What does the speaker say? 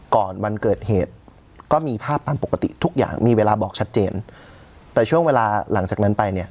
ก่อนวันเกิดเหตุก็มีภาพตามปกติทุกอย่างมีเวลาบอกชัดเจนแต่ช่วงเวลาหลังจากนั้นไปเนี่ย